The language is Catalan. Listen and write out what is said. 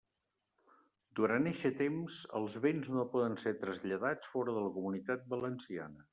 Durant eixe temps, els béns no poden ser traslladats fora de la Comunitat Valenciana.